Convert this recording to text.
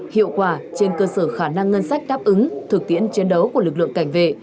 hiệu quả trên cơ sở khả năng ngân sách đáp ứng thực tiễn chiến đấu của lực lượng cảnh vệ